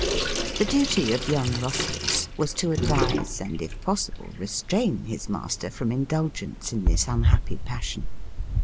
The duty of young Eoscius was to advise and, if possible, restrain his master from indulgence in this unhappy passion.